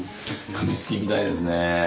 紙好きみたいですね。